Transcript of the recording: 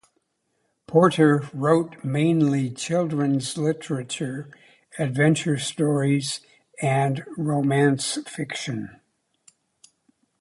Porter wrote mainly children's literature, adventure stories, and romance fiction.